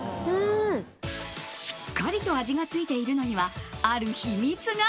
しっかりと味がついているのにはある秘密が。